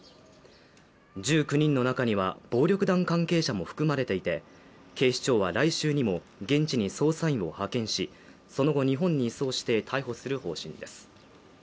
１９人の中には、暴力団関係者も含まれていて、警視庁は来週にも現地に捜査員を派遣し、その後日本に移送して逮捕する方針です。